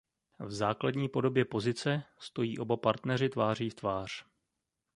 V základní podobě pozice stojí oba partneři tváří v tvář.